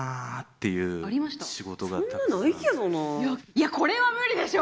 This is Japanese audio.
いやこれは無理でしょ！